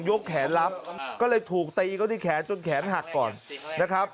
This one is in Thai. แขนรับก็เลยถูกตีเขาที่แขนจนแขนหักก่อนนะครับ